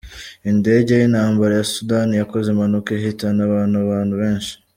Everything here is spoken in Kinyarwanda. Indege y’intambara ya Sudani yakoze impanuka ihitana abantu abantu benshi